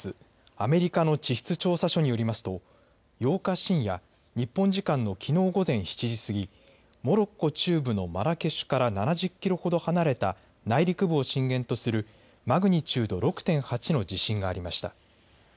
・アメリカの地質調査所によりますと８日深夜、日本時間のきのう午前７時過ぎ、モロッコ中部のマラケシュから７０キロほど離れた内陸部を震源とするマグニチュード６．８の地震がありました。